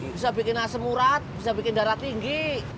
bisa bikin asem murat bisa bikin darah tinggi